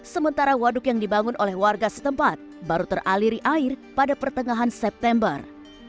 sementara waduk yang dibangun oleh warga setempat baru teraliri air pada pertengahan september